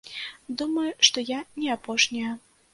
Думаю, што я не апошняя.